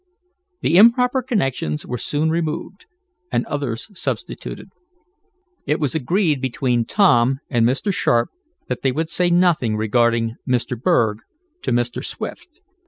The improper connections were soon removed and others substituted. It was agreed between Tom and Mr. Sharp that they would say nothing regarding Mr. Berg to Mr. Swift.